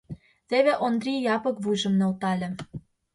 Теве Ондри Япык вуйжым нӧлтале.